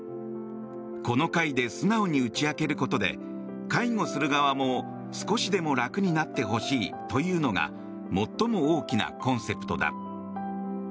この会で素直に打ち明けることで介護する側も少しでも楽になってほしいというのが最も大きなコンセプトだ。